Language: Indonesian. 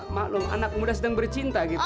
maklum anak muda sedang bercinta gitu